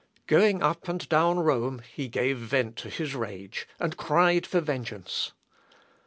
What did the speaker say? Going up and down Rome, he gave vent to his rage, and cried for vengeance.